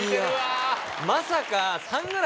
まさか。